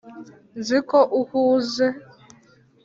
nzi ko uhuze.